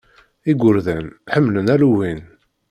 Igerdan ḥemmlen Halloween.